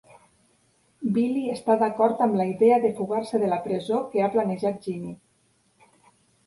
Billy està d'acord amb la idea de fugar-se de la presó que ha planejat Jimmy.